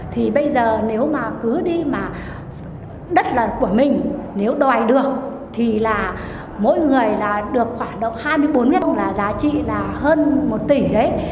thì bây giờ nếu mà cứ đi mà đất là của mình nếu đòi được thì là mỗi người là được khoảng độ hai mươi bốn mét là giá trị là hơn một tỷ đấy